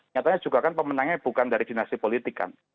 nyatanya juga kan pemenangnya bukan dari dinasti politik kan